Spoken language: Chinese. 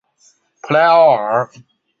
普赖奥尔。